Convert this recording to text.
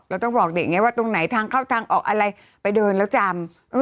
เราต้องบอกอย่างนี้ว่าตรงไหนทางเข้าทางออกอะไรไปเดินแล้วจำ